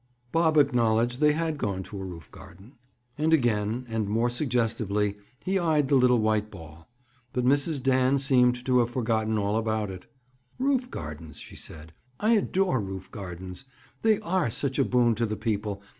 Bob acknowledged they had gone to a roof garden. And again, and more suggestively, he eyed the little white ball. But Mrs. Dan seemed to have forgotten all about it. "Roof gardens," she said. "I adore roof gardens. They are such a boon to the people.